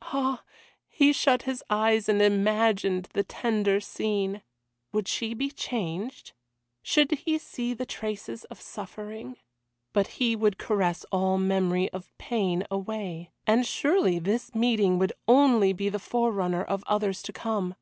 Ah! he shut his eyes and imagined the tender scene. Would she be changed? Should he see the traces of suffering? But he would caress all memory of pain away, and surely this meeting would only be the forerunner of others to come.